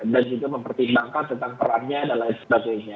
dan juga mempertimbangkan tentang perannya dan lain sebagainya